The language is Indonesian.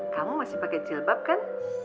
kamu masih pakai jilbab kan